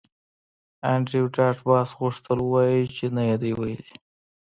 انډریو ډاټ باس غوښتل ووایی چې نه یې دی ویلي